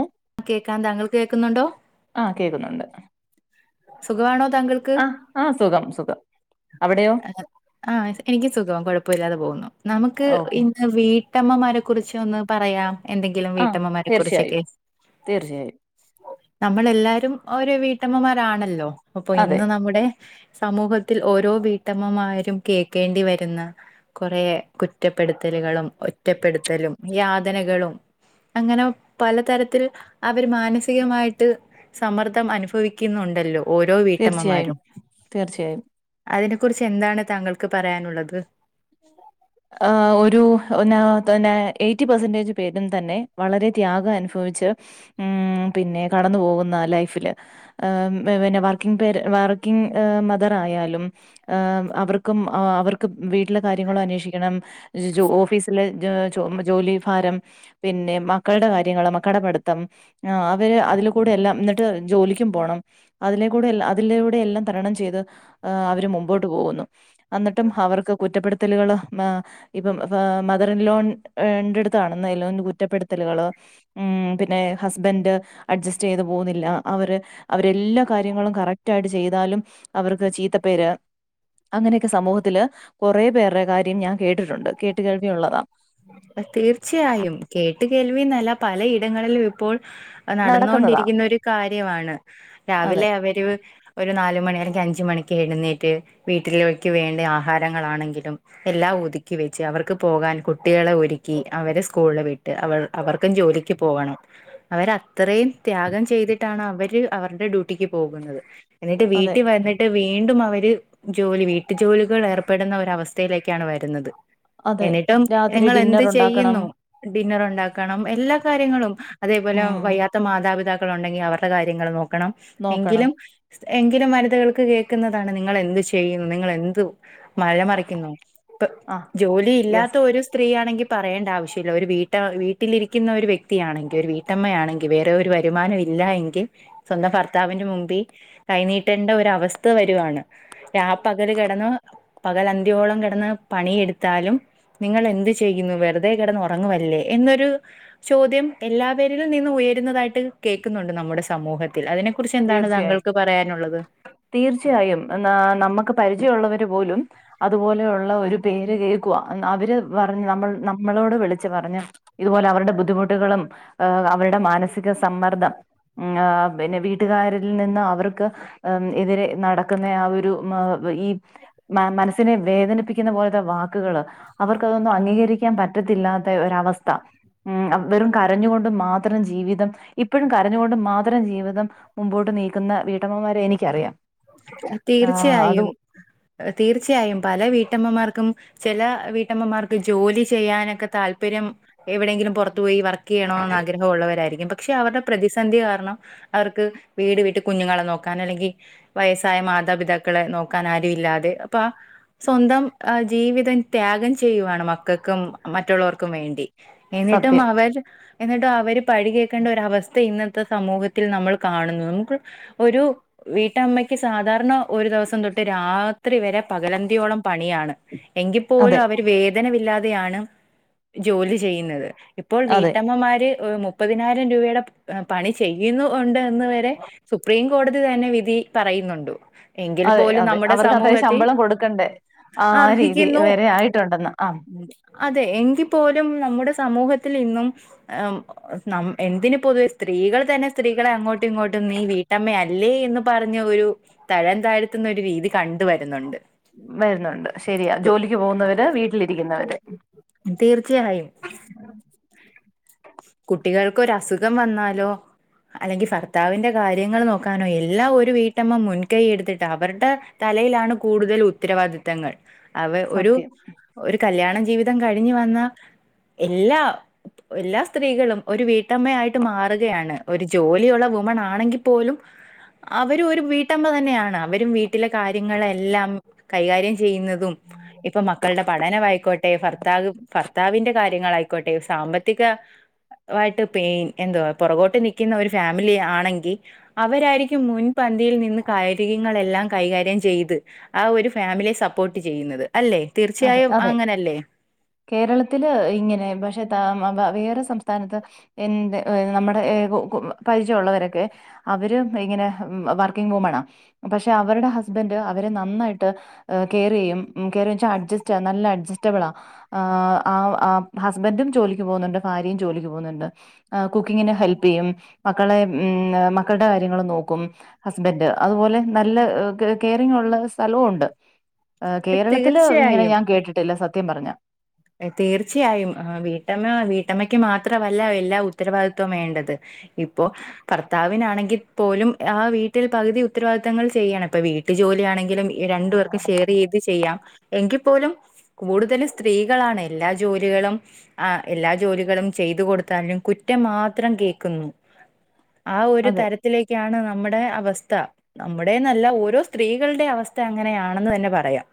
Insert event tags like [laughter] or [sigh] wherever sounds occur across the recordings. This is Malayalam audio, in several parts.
ഏ കേൾക്കാൻ താങ്കൾ ആഹ് കേക്കുന്നുണ്ട് സുഖവാണോ? താങ്കൾക്ക് ആ ആ സുഖം സുഖം അവിടെയോ ഏ ആഹ് എനിക്ക് സുഖവാ കൊഴ പ്പൊല്ലാതെ പോകുന്നു. നമുക്ക് ഓക്കെ ഇന്ന് വീട്ടമ്മമാരെ കുറിച്ച് ഒന്ന് പറയാം എന്തെങ്കിലും ആ വീട്ടമ്മമാരെ കുറിച്ചൊക്കെ തീർച്ചയായും തീർച്ചയായും നമ്മളെല്ലാരും ഓരോ വീട്ടമ്മമാരാണല്ലോ അപ്പൊ അതെ ഇന്ന് നമ്മുടെ സമൂഹത്തിൽ ഓരോ വീട്ടമ്മമാരും കേക്കേണ്ടി വരുന്ന കുറേ കുറ്റപ്പെടുത്തൽ ലുകളും ഒറ്റപ്പെടുത്തലും യാതനകളും അങ്ങനെ പലതര ത്തിൽ അവര് മാനസികമായിട്ട് സമ്മർദ്ദം അനുഭവിക്കുന്നുണ്ടല്ലോ ഓരോ തീർച്ചയായും വീട്ടമ്മമാരും തീർച്ചയായും അതിനെ കുറിച്ച് എന്താണ് താങ്കൾക്ക് പറയാനുള്ളത് ആ ഒരു എന്നാ തന്നെ എയ്റ്റി പെർസെന്റേജ് പേരും തന്നെ വളരെ ത്യാഗം അനുഭവി - ച്ച് മ് പിന്നെ കടന്ന് പോകുന്ന ലൈഫില് മ് പിന്നെ വർക്കിംഗ്‌ന്റല് വർക്കിംഗ് ‌ മദർ ആയാലും അവർക്കും ആ അവർക്ക് വീട്ടിലെ കാര്യങ്ങളും അന്വേഷി- ക്കണം ഓഫീസില് ജോലി ഭാരം പിന്നെ മക്കളുടെ കാര്യങ്ങള് മക്കൾടെ പഠിത്തം അവര് അതിൽ കൂടെ എല്ലാം ന്നട്ട് ജോലിക്കും പോണം അതിലെ കൂടെ അതിലൂടെ എല്ലാം തരണം ചെയ്ത് അവര് മുമ്പോട്ട് പോകുന്നു. അന്നിട്ടും അവർക്ക് കുറ്റപ്പെടുത്തലുകള് ആ ഇപ്പം മദറിൻ ലോ ന്റെട്ത്താണന്നെലോ കുറ്റപ്പെടുത്തലുകള് മ് പിന്നെ ഹസ്ബൻഡ് അഡ്ജസ്റ്റ് ചെയ്ത് പോവുന്നില്ല അവര് അവരെല്ലാ കാര്യങ്ങളും കറക്റ്റായിട്ട്ചെയ് ചെയ് താലും അവർക്ക് ചീത്തപേര് അങ്ങനൊക്കെ സമൂഹത്തില് കൊറേ പേരുടെകാര്യ ഞാൻ കേട്ടിട്ടുണ്ട് കേട്ടുകേൾവിയുള്ളതാ തീർച്ചയായും കേട്ട്കേൾവിന്നല്ല പലയിടങ്ങളിലും ഇപ്പോൾ നടന്നോ നടക്കുന്നതാ ണ്ടിരിക്കുന്ന ഒരു കാര്യമാണ് അതെ രാവിലെ അവര് ഒരു നാല് മണി അല്ലെങ്കിൽ അഞ്ച് മണിക്ക് എഴുന്നേറ്റ് വീട്ടിലേക്ക് വേണ്ടി ആഹാരങ്ങളാണെങ്കിലും എല്ലാം ഒതുക്കി വെച്ച് അവര്ക്ക് പോകാൻ കു- കുട്ടികളെ ഒരുക്കി അവരെ സ്കൂളിൽ വിട്ട് അവൾ അവര്ക്കും ജോലിക്ക് പോകണം അവരത്രയും ത്യാഗം ചെയ്തിട്ടാണ് അവര് അവരുടെ ഡ്യൂട്ടിക്ക് പോകുന്നത് എന്നിട്ട് അതെ വീട്ടിൽ വന്നിട്ട് വീണ്ടും അവര് ജോലി വീട്ടു ജോലികളിൽ ഏർപ്പെടുന്ന ഒരവസ്ഥയിലേക്കാണ് വരുന്നത് അതെ എന്നിട്ടും രാ നിങ്ങൾ എന്ത് ചെയ്യുന്നു ഡിന്നർ ഉണ്ടാക്കണം എല്ലാ കാര്യങ്ങളും അതേപോലെ ഉം വയ്യാത്ത മാത മാതാപിതാക്കളുണ്ടെങ്കി അവരുടെ കാര്യങ്ങൾ നോക്കണം നോക്കണം എങ്കിലും എങ്കിലും വനിതകൾക്ക് കേക്കുന്നതാണ് നിങ്ങൾ എന്ത് ചെയ്യും നിങ്ങളെന്ത് മല മറിക്കുന്നു ഇപ്പ ആ ജോലി ഇല്ലാത്ത യെസ് ഒരു സ്‌ ത്രീ ആണെങ്കി പറയേണ്ട ആവശ്യല്ല ഒരു വീട്ട വീട്ടിലിരിക്കുന്ന ഒരു വ്യക്തിയാണെങ്കി ഒരു വീട്ടമ്മയാണെങ്കി വേറെ ഒരു വരു - മാനം ഇല്ല എങ്കിൽ സ്വന്തം ഭർത്താവിന്റെ മുമ്പി കൈനീട്ടേണ്ട ഒരവസ്ഥ വരുവാണ്. രാ പകല് കെടന്ന് പകൽ അന്ത്യോളം കെടന്ന് പണിയെടുത്താലും നിങ്ങൾ എന്ത് ചെയ്യുന്നു വെറുതെ കെടന്ന് ഒറങ്ങുവല്ലേ എന്നൊരു ചോദ്യം എല്ലാവരിൽ നിന്നുയരുന്നതായിട്ട് കേക്കുന്നുണ്ട് നമ്മുടെ സമൂഹത്തി- തീർച്ചയായും തീർച്ചയായും നമ്മക്ക് പരിചയുള്ളവര്- പോലും അതുപോലെയുള്ള ഒരു പേര് കേക്കുവാ അവര് പറഞ്ഞ് നമ്മൾ നമ്മളോട് വിളിച്ച് പ - റഞ്ഞ ഇതുപോലെ അവരുടെ ബുദ്ധിമുട്ടുകളും അവരുടെ മാനസിക സമ്മർദ്ദം മ് ആ പിന്നെ വീ- ട്ട്കാരിൽ നിന്ന് അവർക്ക് എതിരെ നടക്കുന്ന ആ ഒരു ഈ മനസ്സിനെ വേദനിപ്പിക്കുന്ന പോലത്തെ വാക്കുകള് അവർക്കതൊന്നും അംഗീകരിക്കാൻ പറ്റത്തില്ലാത്ത ഒരവസ്ഥ മ് വെറും കരഞ്ഞുകൊണ്ട് മാത്രം ജീവിതം ഇപ്പഴും കരഞ്ഞുകൊണ്ട് മാത്രം ജീവിതം മുമ്പോട്ട് നീക്കുന്ന വീട്ടമ്മമാരെ എനിക്കറിയാം ആഹ് അത് തീർച്ചയായും തീർച്ചയായും പല വീ- ട്ടമ്മമാർക്കും ചെല വീട്ടമ്മമാർക്ക് ജോലി ചെയ്യാനൊക്കെ താല്പര്യം എവിടെയെങ്കിലും പൊറ- ത്ത് പോയി വർക്കെയ്യണോന്നാഗ്രഹവുള്ളവരായിരിക്കും പക്ഷെ അവരുടെ പ്രതിസന്ധി കാരണം അവർക്ക് വീട് വിട്ട് കുഞ്ഞുങ്ങളെ നോക്കാൻ അല്ലെങ്കി വയസ്സായ മാതാപിതാക്കളെ നോക്കാൻ ആരു ഇല്ലാതെ അപ്പൊ ആ സ്വന്തം ജീവിതം ത്യാ- ഗം ചെയ്യുവാണ് മക്കൾക്കും മറ്റുള്ളവർക്കും വേണ്ടി എന്നിട്ടും സത്യം അവർ എന്നിട്ട് അവര് പഴി കേക്കേണ്ട ഒരവസ്ഥ ഇന്നത്തെ സമൂഹത്തിൽ നമ്മൾ കാണുന്നു [unintelligible] നമുക്ക് ഒരു വീ - ട്ടമ്മയ്ക്ക് സാധാരണ ഒരു ദിവസം തൊട്ട് രാത്രി വരെ പകലന്തിയോളം പണിയാണ് എങ്കിപ്പോലും അതെ അവര് വേദനമില്ലാതെയാണ് ജോലി ചെയ്യുന്നത് ഇപ്പോൾ അതെ വീട്ടമ്മമാര് മുപ്പതിനായിരം രൂപയുടെ പണി ചെയ്യുന്നുവുണ്ട് ഇ വരെ സുപ്രീം കോടതി തന്നെ വിധി പറയുന്നുണ്ട് എങ്കിൽ അതെ പോലും അതെ നമ്മുടെ അവർക്ക് അത്രയും സമൂഹത്തി ശമ്പളം കൊടുക്കണ്ടേ ആ രീതി അർഹിക്കുന്നു. വരെ ആയിട്ടുണ്ടെന്ന് ആ [unintelligible] അതെ എങ്കിൽ പോലും നമ്മുടെ സമൂഹത്തിൽ ഇന്നും [unintelligible] എന്തിന് പൊതുവെ സ്ത്രീ സ്ത്രീകൾ തന്നെ സ്ത്രീകളെ അങ്ങോട്ടും ഇങ്ങോട്ടും നീ വീട്ടമ്മയല്ലേ എന്ന് പറഞ്ഞ ഒരു തഴം താഴ്ത്തുന്ന ഒരു രീതി കണ്ട് വരുന്നുണ്ട് വരുന്നുണ്ട് ശരിയാ ജോലിക്ക് പോകുന്നവര് വീട്ടിൽ ലി രിക്കുന്നവര് തീർച്ചയായും കുട്ടികൾക്ക് ഒര അസുഖം വന്നാലോ അല്ലെങ്കി ഭർത്താവിന്റെ കാര്യങ്ങൾ നോക്കാനോ എല്ലാം ഒരു വീട്ടമ്മ മുൻകൈ എടുത്തിട്ട് അവരുടെ [unintelligible] കൂടുതൽ ഉത്തരവാദിത്തങ്ങൾ അവ സത്യം ഒരു കല്യാണ ജീവിതം കഴിഞ്ഞു വന്ന എല്ലാ എല്ലാ സ് സ്ത്രീകളും ഒരു വീട്ടമ്മയായിട്ട് മാറുകയാണ്. ഒരു ജോലിയുള്ള വുമൺ ആണെങ്കിൽ പോലും അവരും ഒരു വീട്ടമ്മ തന്നെയാണ്. അവരും വീട്ടിലെ കാര്യങ്ങളെല്ലാം കൈകാര്യം ചെയുന്നതും ഇപ്പൊ മക്കളുടെ പഠനയിക്കോട്ടെ ഭർത്താവ് ഭർത്താവിന്റെ കാര്യങ്ങളായി- ക്കട്ടെ സാമ്പത്തിക ആയിട്ട് എന്തുവാ പുറകോട്ട് നിൽക്കുന്ന ഒരു ഫാമിലി ആണെങ്കിൽ അവരായിരിക്കും മുൻ പന്തിയിൽ നിന്ന് കായികങ്ങളെല്ലാം കൈകാര്യം ചെയ്ത് ആ ഒരു ഫാമിലിയെ സപ്പോർട്ട് ചെയ്യുന്നത് അല്ലെ അതെ തീർച്ചയായും അതെ അങ്ങനല്ലേ കേരളത്തില് ഇങ്ങനെ പക്ഷെ [inaudible] വേറെ സംസ്ഥാനത്ത് എ നമ്മുടെ [unintelligible] പരിചയമുള്ളവരൊക്കെ അവര വർക്കിംഗ്‌ വുമനാ പക്ഷെ അവരുടെസ്ബൻ് അവരെ നന്നായിട്ട് കെയറ് ചെയ്യും. [unintelligible] അ നല്ല അഡ്ജസ്റ്റബിൾ ആ ഹസ്ബൻഡും ജോലിക്ക് പോകുന്നുണ്ട് ഭാര്യയും ജോലിക്ക് പോകുന്നു ആ കുക്കിംഗിന് ഹെൽപ്പ് ചെയ്യും മക്കളുടെ ഉം മക്കളുടെ കാര്യങ്ങൾ നോക്കൂ ഹസ്ബൻ അതുപോലെ നല്ല കെയറിങ് ഉള്ള സ്ഥലവും ഉണ്ട്. കേരളത്തില് ഇങ്ങനെ തീർച്ചയായും ഞാൻ കേട്ടിട്ടില്ല സത്യം പറഞ്ഞ തീർച്ചയായും വീട്ടമ്മ വീട്ടമ്മയ്ക്ക് മാത്രമല്ല എല്ലാ ഉത്തരവാദിത്വം വേണ്ടത് ഇപ്പോ ഭർത്താവിനാണെങ്കിൽ പോലും ആ വീട്ടിൽ പകുതി ഉത്തരവാദിത്തങ്ങൾ ചെയ്യണം ഇപ്പൊ വീട്ടിൽ ജോലിയാണെങ്കിലും രണ്ടു പേർക്കും ഷെയർ ചെയ്ത് ചെയ്യാം എങ്കിൽ പോലും കൂടുതലും സ് സ്ത്രീകളാണ് എല്ലാ ജോലികളും എല്ലാ ജോലികളും ചെയ്തു കൊടുത്താലും കുറ്റം മാത്രം കേക്കുന്നു ആ ഒരു അതെ തരത്തിലെ നാം നമ്മുടെ അവസ്ഥ നമ്മുടെന്നല്ല ഓരോ സ്ത്രീകളുടെ അവസ്ഥ അങ്ങനെയാണെന്ന് തന്നെ പറയാം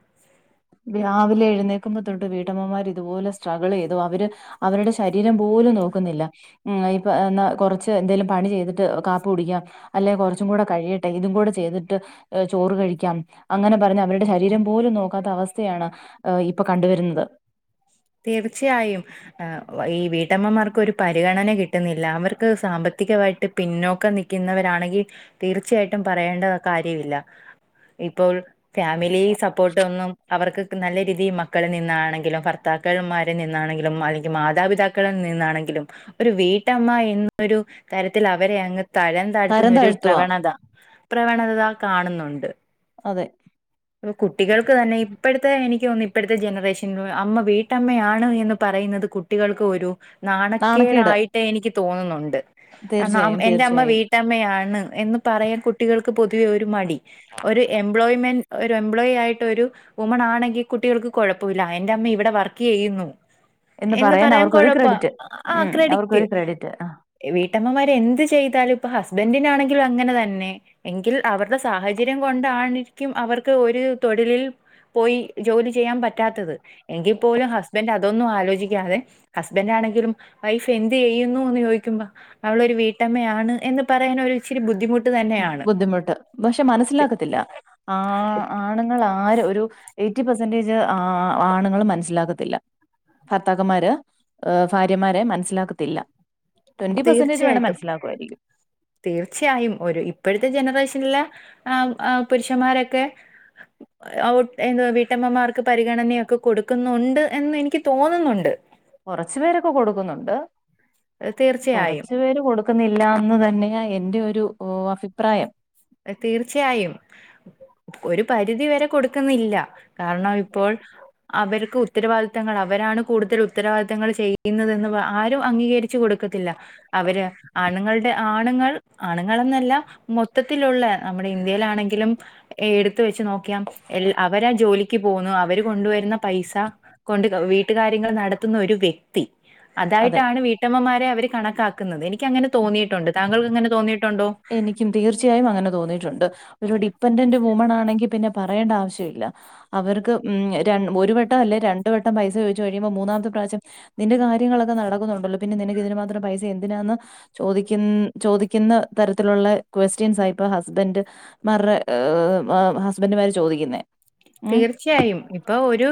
തട്ട് വീട്ടമ്മമാർ ഇതുപോലെ സ്ട്രഗിൾ ചെയ്തു അവര് അവരുടെ ശരീരം പോലും നോക്കുന്നില്ല എന്നാ കുറച്ച് എന്തേലും പണി ചെയ്തിട്ട് കാപ്പി കുടിക്കാം അല്ലെങ്കിൽ കുറച്ചും കൂടെ കഴിയട്ടെ ഇതും കൂടെ ചെയ്തിട്ട് ചോറ് കഴിക്കാം അങ്ങനെ പറഞ്ഞ് അവരുടെ ശരീരം പോലും നോക്കാത്ത അവസ്ഥ യാണ് ഇപ്പൊ കണ്ടുവരുന്നത്. തീർച്ചയായും ഈ വീട്ടമ്മമാർക്ക് ഒരു പരിഗണന കിട്ടുന്നില്ല അവർക്ക് സാമ്പത്തി കത്തികമായിട്ട് പിന്നോക്കം നൽക്കുന്നവരാണെങ്കിൽ തീർച്ചയായിട്ടും പറയേണ്ട കാര്യമില്ല. ഇപ്പോൾ ഫാമിലി സപ്പോർട്ട് ഒന്നും അവർക്ക് നല്ല രീതിയിൽ മക്കളി നിന്നാണെങ്കിലും ഭർ ഭർത്താക്കൻമാരി നിന്നാണെങ്കിലും അല്ലെങ്കിൽ മാതാപിതാക്കളിൽ നിന്നാണെങ്കിലും ഒരു വീട്ടമ്മ എന്നൊരു തരത്തിൽ അവരെ അങ്ങ തരം താഴ്ത്തുന്ന ഒരു പ്രവണത പ്രവണത കാണുന്നുണ്ട് അതെ അപ്പൊ കുട്ടികൾക്ക് തന്നെ ഈ ഇപ്പോഴത്തെ എനിക്ക് തോന്നുന്നു ഇപ്പോഴത്തെ ജനറേഷൻ അമ്മ വീട്ടമ്മയാണ് എന്ന് പറയുന്നത് കുട്ടികൾക്ക് ഒരു നാണക്കേട് നാണക്കേടായിട്ട് എനിക്ക് തോന്നുന്നുണ്ട്. തീർച്ചയായും എന്റെ അമ്മ തീർച്ചയായും വീട്ടമ്മയാണ്. എന്ന് പറയാൻ കുട്ടികൾക്ക് പൊതുവെ ഒരു മടി ഒരു എംപ്ലോയ്മെന്റ് ഒരു എംപ്ലോയി ആയിട്ട് ഒരു വുമൺ ആണെങ്കിൽ കുട്ടികൾക്ക് കുഴപ്പമില്ല എന്റെ അമ്മ ഇവിടെ വർക്ക് ചെയ്യുന്നു എന്ന് പറയാൻ അവർക്കൊരു കൊഴപ്പാ ക്രെഡിറ്റ് ആ ഉം ക്രെഡിറ്റ് അവർക്കൊരു ക്രെഡിറ്റ് വീട്ടമ്മമാര് എന്ത് ചെയ്താലും ഇപ്പൊ ഹസ്ബൻഡിനാണെങ്കിൽ അങ്ങനെ തന്നെ എങ്കിൽ അവരുടെ സാഹചര്യം കൊണ്ടാരിക്കും അവർക്ക് ത് ഒരു തൊഴിലിൽ പോയി ജോലി ചെയ്യാൻ പറ്റാത്തത്. എങ്കിപ്പോലും ഹസ്ബന്റ് അതൊന്നും ആലോചി ന്തിക്കാതെ ഹസ്ബൻഡാണെങ്കിലും വൈഫ് എന്ത് ചെയ്യുന്നു എന്ന് ചോദിക്കുമ്പോ അവളൊരു വീട്ടമ്മയാണ് എന്ന് പറയാനൊരിച്ചിരി ബുദ്ധിമുട്ട് തന്നെയാണ് ബുദ്ധിമുട്ട് പക്ഷെ തി- മനസ്സിലാക്കത്തില്ല ആ ആണുങ്ങളാ ആരൊരു എയിറ്റി പെർസെന്റേജ് ആണുങ്ങൾ മനസ്സിലാക്കത്തില്ല ഭർത്താക്കന്മാരെ ഭാര്യമാരെ മനസ്സിലാക്കത്തില്ല ട്വന്റി പെർസെന്റേജ് വേണം തീർച്ചയായിട്ടും മനസ്സിലാക്കുമായിരിക്കും തീർച്ചയായും ഒരു ഇപ്പഴത്തെ ജനറേഷൻലെ ആ ആ പുരുഷന്മാരൊക്കെ ഔട്ട് എന്ത് വീട്ടമ്മമാർക്ക് പരിഗണനയൊക്കെ കൊടുക്കുന്നൊണ്ട് എന്ന് എനിക്ക് തോന്നുന്നുണ്ട്. കൊറച്ചു പേരൊക്കെ കൊടുക്കുന്നുണ്ട്. തീർച്ചയായും കൊറച്ചു പേര് കൊടുക്കുന്നില്ല എന്നുതന്നെയാ എന്റെ ഒരു ഓ അഭിപ്രായം. തീർച്ചയായും. ഒരു പരിധി വരെ കൊടുക്കുന്നില്ല. കാരണം, ഇപ്പോൾ അവർക്ക് ഉത്തരവാദിത്തങ്ങൾ അവർ രാണ് കൂടുതൽ ഉത്തരവാദിത്തങ്ങൾ ചെയ്യുന്നതെന്ന് ആരും അംഗീകരിച്ചു കൊടുക്കത്തില്ല. അവര് ആണ് ആണുങ്ങളുടെ ആണുങ്ങൾ ആണുങ്ങൾ എന്നല്ലാ മൊത് മൊത്തത്തിലുള്ള നമ്മുടെ ഇന്ത്യയിലാണെങ്കിലും എടുത്തു വെച്ച് നോക്കിയ എൽ അവരാ ജോലിക്ക് പോകുന്ന അവരു കൊണ്ടുവരുന്ന പൈസ കൊണ്ട് വീട്ടുകാര്യങ്ങൾ നടത്തുന്ന ഒരു വ്യക്തി. അതെ അതായിട്ടാണ് വീട്ടമ്മമാരെ അവര് കണക്കാക്കുന്നത്. എനിക്കങ്ങനെ തോന്നിയിട്ടുണ്ട് താങ്കൾക്ക് അങ്ങനെ തോന്നിയിട്ടു എനിക്കും തീർച് ർച്ചായും അങ്ങനെ തോന്നിയിട്ടുണ്ട്. ഒരു ഡിപ്പെൻഡന്റ് വുമൺ ആണെങ്കിൽ പിന്നെ പറയണ്ട ആവശ്യമില്ല. അവർക്ക് ഉം ര ഒരു വട്ടം അല്ലെ രണ്ടു വട്ടം പൈസ ചോദിച്ചു കഴിയുമ്പം മൂന്നാമത്തെ പ്രാവശ്യം നിന്റെ കാര്യങ്ങളൊക്കെ നടക്കുന്നൊ ണ്ടല്ലോ അപ്പം പിന്നെ നിനക്ക് ഇതിനു മാത്രം പൈസ എന്തിനാന്ന് ചോദിക്കുന്ന് ചോദിക്കുന്ന തരത്തിലുള്ള ക്വസ്റ്റ്യൻസാ ഇപ്പം ഹസ്ബൻഡ് മാർടെ ഹസ്ബൻഡുമാര് ചോദിക്കുന്നേ. ഉം. തീർച്ചയായും. ഇപ്പ ഒരു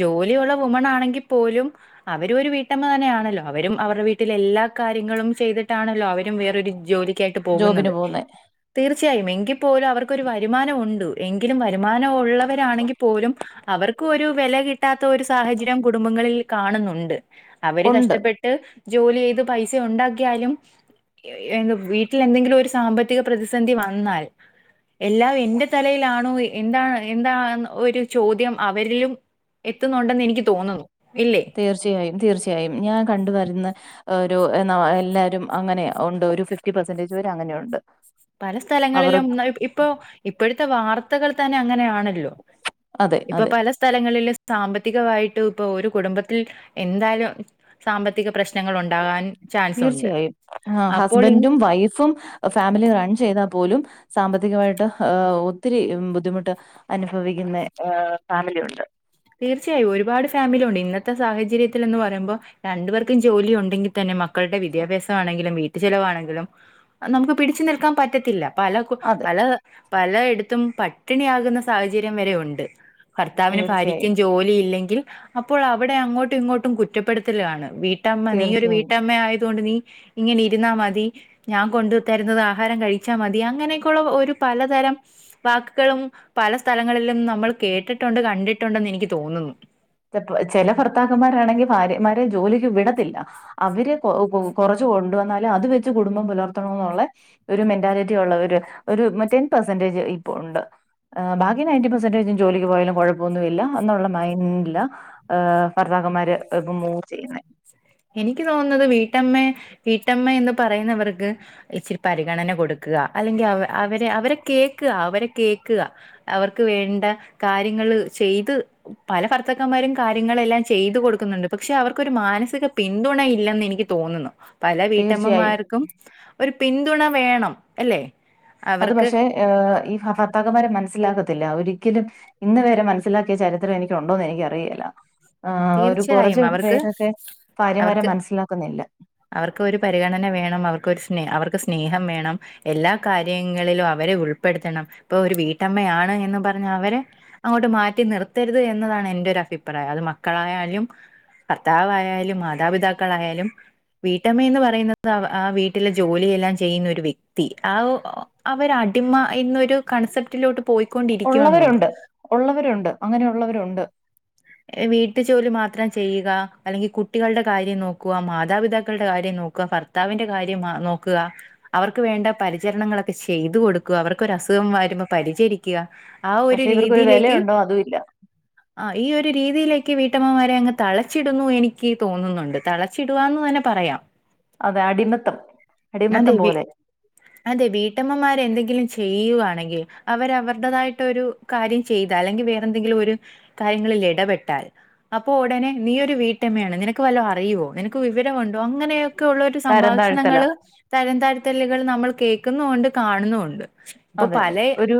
ജോലിയുള്ള വുമണാണെങ്കിൽ പോലും അവരും ഒരു വീട്ടമ്മ തന്നെ ആണല്ലോ അവരും അവർടെ വീട്ടിൽ എല്ലാ കാര്യങ്ങളും ചെയ്ത തിട്ടാണല്ലോ അവരും വേറൊരു ജോലിക്കായിട്ട് ജോബിന് പോകുന്നത്. പോകുന്നെ. തീർച്ചയായും ഇങ് എങ്കിൽ പോലും അവർക്കൊരു വരുമാനം ഉണ്ടു. എങ്കിലും വരുമാന ഒള്ള വരാണെങ്കിൽ പോലും അവർക്കും ഒരു വെല കിട്ടാത്ത ഒരു സാഹചര്യം കുടുംബങ്ങളിൽ കാണുന്നുണ്ട്. അവര് ഉണ്ട്. കഷ്ടപ്പെട്ട് ജോലി ചെയ്ത് പൈസ ഉണ്ടാക്കിയാലും എ യൗവ വീട്ടിൽ എന്തെങ്കിലും ഒരു സാമ്പത്തിക പ്രതിസന്ധി വന്നാൽ എല്ലാം എന്റെ തലയിലാണോ എന്താണ് എന്താ ഒരു ചോദ്യം അവരിലും എത്തുന്നുണ്ടെന്നെനിക്ക് തോന്നുന്നു. ഇല്ലേ? തീർച്ചയായും തീർച്ചയായും. ഞാൻ കണ്ടു വരുന്ന ഒരു എന്നാ എല്ലാവരും അങ്ങനെ ഉണ്ട് ഒരു ഫിഫ്റ്റി പെർസെൻറേജ് വരെ അങ്ങനെയുണ്ട്. പല അവർ സ്ഥലങ്ങളിലും ഇപ്പോ ഇപ്പഴത്തെ വാർത്തകൾ തന്നെ അങ്ങനെയാ ണല്ലോ അതെ, ഇപ്പൊ അതെ. പല സ്ഥലങ്ങളിലും സാമ്പത്തികമായിട്ട് ഇപ്പ ഒരു കുടുംബത്തിൽ എന്തായാലും സാമ്പത്തിക പ്രശ്നങ്ങളുണ്ടാകാൻ തീർച്ചയായും. ആ ഹസ്ബൻറും വൈഫും ഫാമിലി [unintelligible] ചെയ്താൽ പോലും സാമ്പത്തികമായിട്ട് ഒത്തിരി ബുദ്ധിമുട്ട് അനുഭവിക്കുന്ന എ ഫാമിലി ഉണ്ട്. തീർച്ചയായും ഒരുപാട് ഫാമിലി ഉണ്ട്. ഇന്നത്തെ സാഹചര്യത്തിലെന്ന് പറയുമ്പോ രണ്ടു പേർക്കും ജോലി ഉണ്ടെങ്കിത്തന്നെ മക്ക് മക്കളുടെ വിദ്യാഭ്യാസമാണെങ്കിലും വീട്ടു ചെലവാണെങ്കിലും നമുക്ക് പിടിച്ചു നിൽക്കാൻ പറ്റത്തില്ല. പല കു അതെ പല പലയിടത്തും പട്ടിണിയാകുന്ന സാഹചര്യം വരെ ഉണ്ട്. ഭർത്താവിനും ഭാര്യയ്ക്കും തീർച്ചയായും ജോലി ഇല്ലെങ്കിൽ അപ്പോൾ അവിടെ അങ്ങോട്ടും ഇങ്ങോട്ടും കുറ്റപ്പെടുത്തലാണ് വീട്ട് വീട്ടമ്മ നീ ഒരു തീർച്ചയായും വീട്ടമ്മയായ കൊണ്ട് നീ ഇങ്ങനിരുന്നാ മതി ഞാൻ കൊണ്ടുത്തരുന്നത് ആഹാരം കഴിച്ചാമതി അങ്ങനൊക്കെയുള്ള ഒരു പലതരം വാക്കുകളും പല സ്ഥലങ്ങളിലും നമ്മൾ കേട്ടിട്ടുണ്ട് കണ്ടിട്ട് ണ്ടിട്ടുണ്ടെന്ന് എനിക്ക് തോന്നുന്നു വെപ്പ് ചില ഭർത്താക്കന്മാരാണെങ്കി ഭാര്യമാരെ ജോലിക്ക് വിടത്തില്ല അവരെ കൊ കൊ കുറച്ച് എന്തു കൊണ്ടുവന്നാലും അത് വെച്ച് കുടുംബം പുലർത്തണോ ഒള്ളെ ഒരു മെന്റാലിറ്റി ഉള്ളവർ ഒരുടെൻ പെർസെൻടേജ് പേര് ഇപ്പൊ ഉണ്ട് ആ ബാക്കി നയന്റി പെർസെൻടേജും ജോലിക്ക് പോയാലും കുഴപ്പമൊന്നും ഇല്ല എന്നുള്ള മായിന്റിൽ ലാ ഏ ഭർത്താക്കന്മാര് ഇപ്പൊ മുവ് ചെയ്യുന്നെ എനിക്ക് തോന്നുന്നത് വീട്ടമ്മ വീട്ടമ്മ എന്ന് പറയുന്നവർക്ക് ഇച്ചിരി പരിഗണന കൊടുക്ക കൊടുക്കാ അല്ലെങ്കിൽ അവരെ അവരെ കേൾക്കുക അവരെ കേൾക്കുക അവർക്ക് വേണ്ട കാര്യങ്ങൾ ള് ചെയ്ത് പല ഭർത്താക്കന്മാരും കാര്യങ്ങളെല്ലാം ചെയ്തു കൊടുക്കുന്നുണ്ട്. പക്ഷെ അവർക്കൊരു മാനസിക പിന്തുണ ഇല്ലെന്ന് എനിക്ക് തോന്നുന്നു. പല തീർച്ചയായും വീട്ടമ്മമാർക്കും ഒരു പെ പിന്തുണ വേണം. അല്ലേ? അത് പക്ഷെഏ ഈ ഭർത്താക്കന്മാര് മനസ്സിലാക്കത്തില്ല അവരി ഒരിക്കലും ഇന്ന് വരെ മനസ്സിലാക്കിയ ചരിത്രം എനിക്കുണ്ടോന്ന് എനിക്ക് അറിയുകെല ആ ഒരു കുറച്ച് തീർച്ചയായും അവർക്ക് പേരൊക്കെ ഭാര്യമാരെ അവർക്ക് മനസ്സിലാക്കുന്നില്ല അവർക്ക് ഒരു പരിഗണന വേണം അവർക്ക്ഒരു സ്നേ അവർക്ക് സ്നേ സ്നേഹം വേണം എല്ലാ കാര്യങ്ങളിലും അവരെ ഉൾപ്പെടുത്തണം ഇപ്പൊ ഒരു വീട്ടമ്മയാണ് എന്നും പറഞ്ഞ് അവരെ അങ്ങോട്ട് മാറ്റി നിർത്തരുത് എന്നതാണ് എന്റെ ഒരു അഭിപ്രായം അത് മക്കളായാലും ഭർത്താവായാലും മാതാപിതാക്കളായാലും വീട്ടമ്മയെന്ന് പറയുന്നത് ആ വീട്ടിലെ ജോലിയെല്ലാം ചെയ്യുന്ന ഒരു വ്യക്തി ആ ഓ അവരാണ് അടിമ എന്നൊരു കൺസെപ്റ്റിലോട്ട് പോയിക്കൊണ്ടിരിക്കുവാന്ന് തോന്നുന്നു ഒള്ളവരുണ്ട് ഒള്ളവരുണ്ട് അങ്ങനെഒള്ളവരുണ്ട് ഏ വീട്ടു ജോലി മാത്രം ചെയ്യുക അല്ലെങ്കിൽ കുട്ടികളുടെ കാര്യം നോക്കുക മാതാപിതാക്കളുടെ കാര്യം നോക്കുക ഭർത്താവിന്റെ കാര്യംമാ നോക്കുക അവർക്ക് വേണ്ട പരിചരണങ്ങളൊക്കെ ചെയ്ത് കൊടുക്കുക അവർക്ക് ഒരു അസുഖം വരുമ്പോ പരിചരിക്കുക ആ ഒരു പക്ഷെ ഇവർക്കൊരു രീതിയിലേക്ക് വിലയുണ്ടോ അതും ഇല്ല ആ ഈ ഒരു രീതിയിലേക്ക് വീട്ടമ്മമാരെ അങ്ങ് തളച്ചിടുന്നു എനിക്ക് തോന്നുന്നുണ്ട് തളച്ചിടവാന്ന് തന്നെ പറയാം അതെ അടിമത്തം അടിമത്തം അതെതെ പോലെ അതെ വീട്ടമ്മമാരെ എന്തെങ്കിലും ചെയ്യുവാണെങ്കിൽ അവരെ അവരുടേതായിട്ട് ഒരു കാര്യം ചെയ്ത അല്ലെങ്കിൽ വേറെ എന്തെങ്കിലും ഒരു കാര്യങ്ങളിൽ എടപെട്ടാൽ അപ്പോ ഉടനെ നീ ഒരു വീട്ടമ്മയാണ് നിനക്ക് വല്ലോ അറിയവോ നിനക്ക് വിവരം ഉണ്ടോ അങ്ങനെയൊ ഒക്കെ ഉള്ള ഒരു തരം താഴ്ത്തല സംഭാഷണങ്ങൾ താരതയിത്തലുകൾ നമ്മൾ കേൾക്കുന്നുണ്ട് കാണുന്നുണ്ട് ഇപ്പൊ അതെ അതെ പല ഒരു